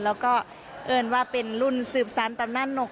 แล้วก็เอิญว่าเป็นรุ่นสืบสารตำนานหนก